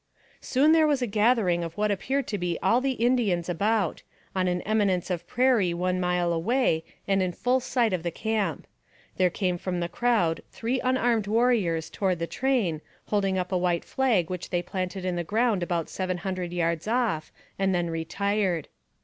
Soon there was a gathering of what appeared to be all the Indians about, on an eminence of prairie one mile away, and in full sight of the camp. There came from the crowd three unarmed warriors toward the train, holding up a white flag which they planted in the ground about seven hundred yards on , and then retired.